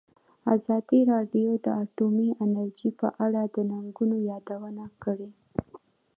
ازادي راډیو د اټومي انرژي په اړه د ننګونو یادونه کړې.